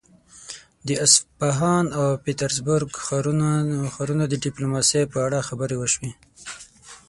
د اصفهان او پيترزبورګ ښارونو د ډيپلوماسي په اړه خبرې وشوې.